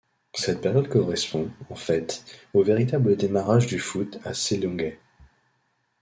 Cette période correspond, en fait, au véritable démarrage du foot à Selongey.